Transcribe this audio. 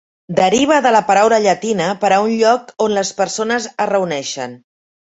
Deriva de la paraula llatina per a un lloc on les persones es reuneixen.